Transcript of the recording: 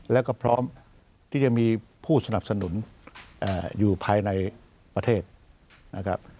แล้วก็พร้อมที่จะมีผู้สนับสนุนอยู่ภายในประเทศนะครับ